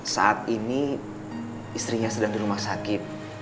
saat ini istrinya sedang di rumah sakit